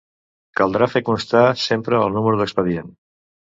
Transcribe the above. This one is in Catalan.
Caldrà fer constar sempre el número d'expedient.